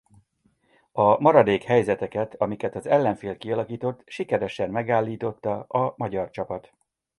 A maradék helyzeteket amiket az ellenfél kialakított sikeresen megállította a magyar csapat.